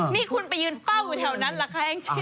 นี่คุณไปยืนเฝ้าอยู่แถวนั้นเหรอคะแองจี้